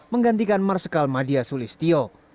menggantikan marsikal madiasulistio